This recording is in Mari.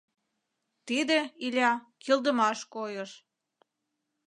Тиде, Иля, кӱлдымаш койыш...